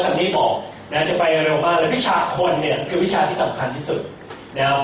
ตั้งลักษณ์มากตั้งลักษณ์มาก